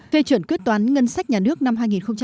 phê chuẩn quyết toán ngân sách nhà nước năm hai nghìn một mươi chín